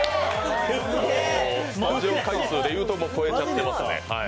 登場回数で言うと、もう超えちゃってますね。